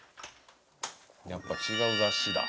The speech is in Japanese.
やっぱ違う雑誌だ。